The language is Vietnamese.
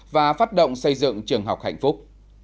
và phát động xây dựng trường học hạnh phúc